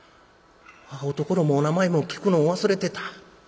「おところもお名前も聞くのを忘れてた」。